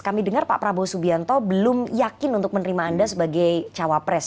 kami dengar pak prabowo subianto belum yakin untuk menerima anda sebagai cawapres